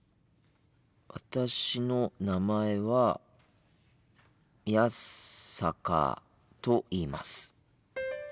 私の名前は宮坂と言います。